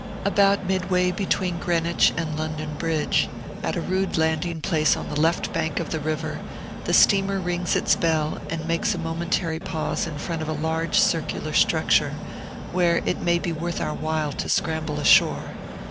About midway between Greenwich and London Bridge, at a rude landing place on the left bank of the river, the steamer rings its bell and makes a momentary pause in front of a large circular structure, where it may be worth our while to scramble ashore.